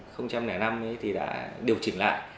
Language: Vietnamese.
không còn quy định diện tích tối thiểu